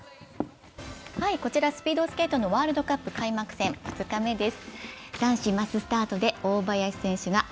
こちらスピードスケートのワールドカップ開幕戦２日目です。